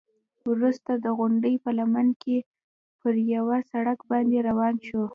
وروسته د غونډۍ په لمن کې پر یوه سړک باندې روان شوو.